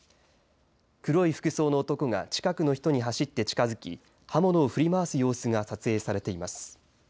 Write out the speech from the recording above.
黒い服装の男が近くの人に走って近づき刃物を振り回す様子が撮影されています。